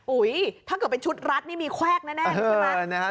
อุ๊ยถ้าเกิดเป็นชุดรัดนี่มีแคว้กแน่ใช่ไหม